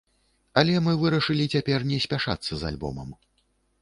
Але мы вырашылі цяпер не спяшацца з альбомам.